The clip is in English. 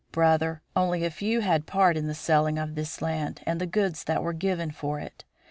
"Brother, only a few had part in the selling of this land and the goods that were given for it.